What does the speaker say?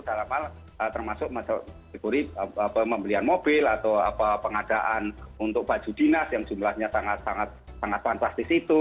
termasuk membelian mobil atau pengadaan untuk baju dinas yang jumlahnya sangat fantastis itu